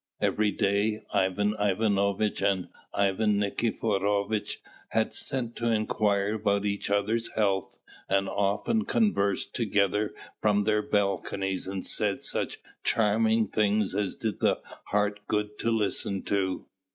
Every day Ivan Ivanovitch and Ivan Nikiforovitch had sent to inquire about each other's health, and often conversed together from their balconies and said such charming things as did the heart good to listen to.